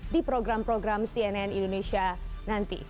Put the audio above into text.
di program program cnn indonesia nanti